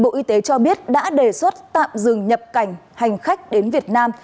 bộ y tế cho biết đã đề xuất tạm dừng nhập cảnh hành khách đến việt nam